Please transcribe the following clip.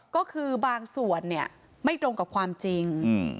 ก็คือบางส่วนเนี่ยไม่ตรงกับความจริง